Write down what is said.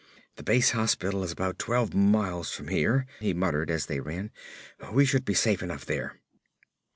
"The base hospital is about twelve miles from here," he muttered as they ran. "We should be safe enough there."